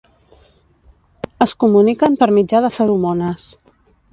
Es comuniquen per mitjà de feromones.